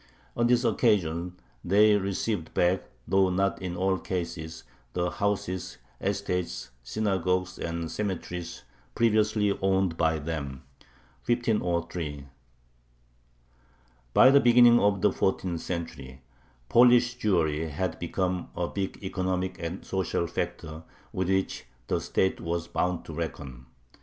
On this occasion they received back, though not in all cases, the houses, estates, synagogues, and cemeteries previously owned by them (1503). By the beginning of the fourteenth century Polish Jewry had become a big economic and social factor with which the state was bound to reckon.